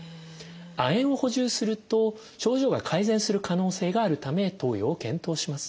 亜鉛を補充すると症状が改善する可能性があるため投与を検討します。